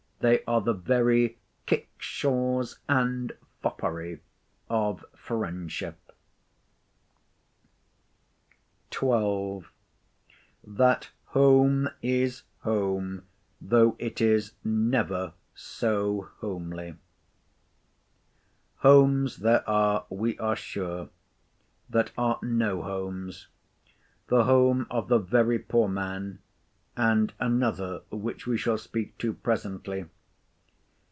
They are the very kickshaws and foppery of friendship. XII.—THAT HOME IS HOME THOUGH IT IS NEVER SO HOMELY Homes there are, we are sure, that are no homes: the home of the very poor man, and another which we shall speak to presently.